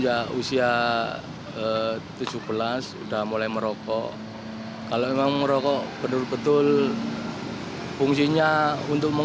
jika kamu ingin berpengalamanateurs lain nyampe google did tegen website dioc